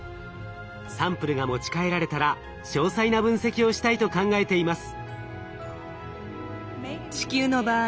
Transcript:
サンプルが持ち帰られたら詳細な分析をしたいと考えています。